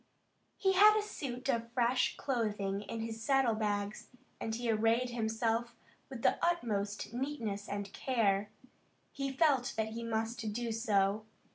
He had a suit of fresh clothing in his saddle bags, and he arrayed himself with the utmost neatness and care. He felt that he must do so.